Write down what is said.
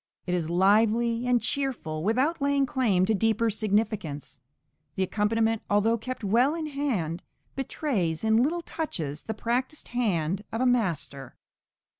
It is lively and cheerful, without laying claim to deeper significance; the accompaniment, although kept well in hand, betrays in little touches the practised hand of a master.